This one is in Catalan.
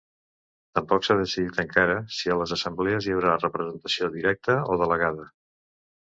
Tampoc s'ha decidit encara si a les assemblees hi haurà representació directa o delegada.